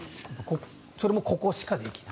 それもここしかできない。